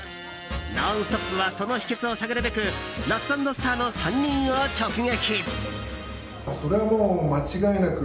「ノンストップ！」はその秘訣を探るべくラッツ＆スターの３人を直撃。